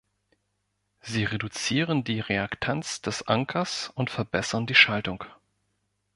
Sie reduzieren die Reaktanz des Ankers und verbessern die Schaltung.